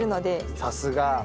さすが。